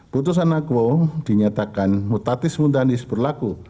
putusan akuo dinyatakan mutatis muntahanis berlaku